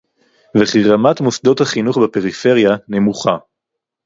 וכי רמת מוסדות החינוך בפריפריה נמוכה